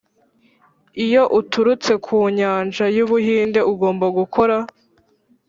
iyo uturutse ku nyanja y'ubuhinde ugomba gukora